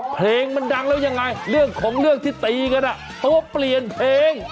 เพลงมันดังแล้วยังไงเรื่องของเรื่องที่ตีกันเพราะว่าเปลี่ยนเพลง